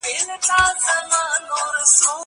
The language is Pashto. بوټونه د مور له خوا پاکيږي!!